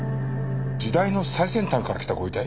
時代の最先端から来たご遺体？